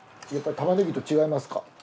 やっぱりタマネギと違いますか？